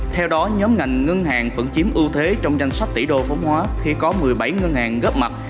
theo đó nhóm ngành ngân hàng vẫn chiếm ưu thế trong danh sách tỷ đô vốn hóa khi có một mươi bảy ngân hàng gấp mặt